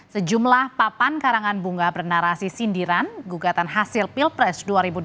sejumlah papan karangan bunga bernarasi sindiran gugatan hasil pilpres dua ribu dua puluh